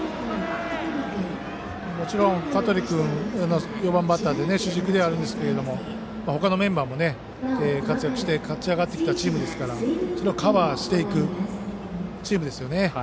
もちろん香取君４番バッターで主軸ですけども他のメンバーも活躍して勝ち上がってきたチームなのでそれをカバーしていくチームですよね。